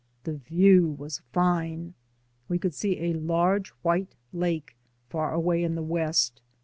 The view was fine ; we could see a large white lake far away to the west.